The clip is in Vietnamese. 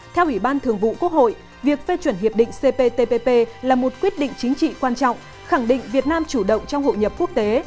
theo ủy ban thường vụ quốc hội việc phê chuẩn hiệp định cptpp là một quyết định chính trị quan trọng khẳng định việt nam chủ động trong hội nhập quốc tế